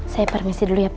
saya permisi dulu ya pak